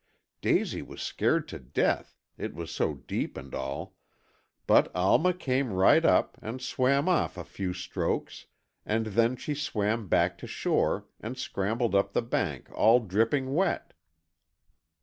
Daisy was scared to death, it was so deep and all, but Alma came right up, and swam off a few strokes and then she swam back to shore, and scrambled up the bank, all dripping wet."